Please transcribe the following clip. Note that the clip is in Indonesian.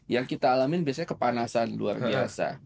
yang kita alamin biasanya kepanasan luar biasa